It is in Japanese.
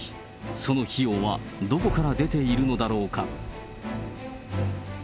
その費用はどこから出ているのだろうか。